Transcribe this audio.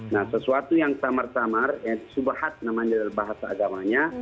nah sesuatu yang tamar tamar yang subahat namanya dalam bahasa agamanya